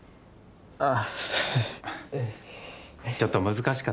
ああ。